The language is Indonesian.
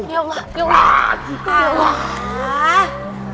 ya allah ya allah